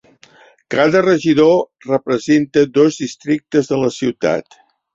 Cada regidor representa dos districtes de la ciutat.